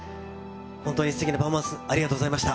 本当にすてきなパフォーマンス、ありがとうございました。